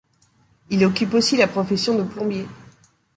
Il occupe aussi la profession de plombier.